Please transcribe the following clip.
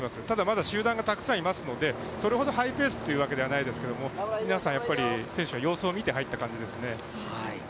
ただ、まだ集団がたくさんいますのでそれほどハイペースというわけではありませんが皆さん、選手は様子を見て入った感じですね。